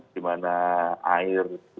dimana air cukup banyak